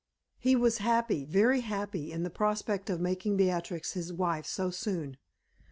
He was happy very happy in the prospect of making Beatrix his wife so soon.